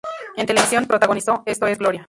En televisión protagonizó "¡Esto es Gloria!